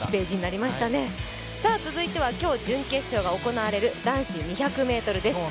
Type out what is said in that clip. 続いては今日準決勝が行われる男子２００ｍです。